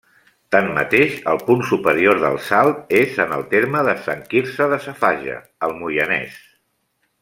Tanmateix, el punt superior del salt és en terme de Sant Quirze Safaja, al Moianès.